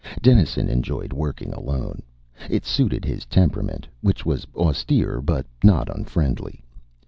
Dennison enjoyed working alone. It suited his temperament, which was austere but not unfriendly.